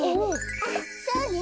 あっそうね。